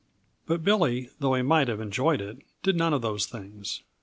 But Billy, though he might have enjoyed it, did none of those things.